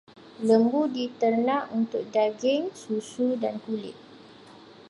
Lembu diternak untuk daging, susu dan kulit.